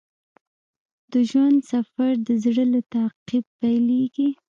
د ژوند سفر د زړه له تعقیب پیلیږي.